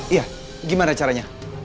iya gimana caranya